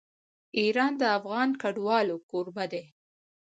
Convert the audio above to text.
ایران د افغان کډوالو کوربه دی.